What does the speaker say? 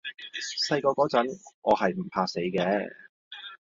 細個嗰陣，我係唔怕死嘅